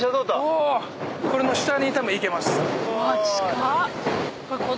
これの下にたぶん行けます。